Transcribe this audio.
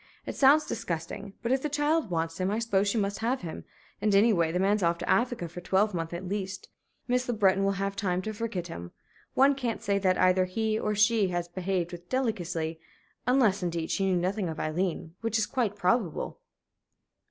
"It sounds disgusting; but if the child wants him I suppose she must have him. And, anyway, the man's off to Africa for a twelvemonth at least. Miss Le Breton will have time to forget him. One can't say that either he or she has behaved with delicacy unless, indeed, she knew nothing of Aileen, which is quite probable."